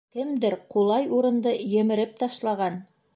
Кемдер ҡулай урынды емереп ташлаған!